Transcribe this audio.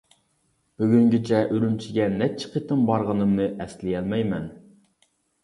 بۈگۈنگىچە ئۈرۈمچىگە نەچچە قېتىم بارغىنىمنى ئەسلىيەلمەيمەن.